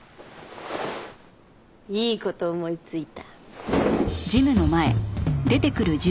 いい事思いついた。